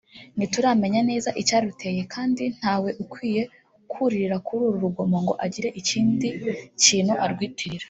ntituramenya neza icyaruteye kandi ntawe ukwiye kuririra kuri uru rugomo ngo agire ikindi kintu arwitirira